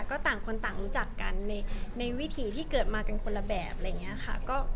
ก็ต่างคนต่างรู้จักกันในวิถีที่เกิดมากันคนละแบบอะไรอย่างนี้ค่ะ